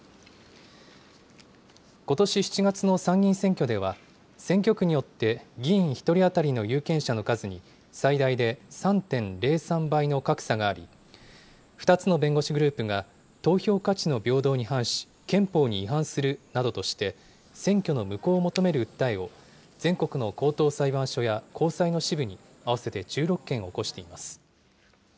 ことし７月の参議院選挙では、選挙区によって、議員１人当たりの有権者の数に、最大で３．０３倍の格差があり、２つの弁護士グループが、投票価値の平等に反し憲法に違反するなどとして、選挙の無効を求める訴えを、全国の高等裁判所や高裁の支部に合わせて１６件起こしています。